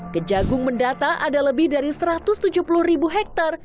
kejagung mendata ada lebih dari satu ratus tujuh puluh ribu hektare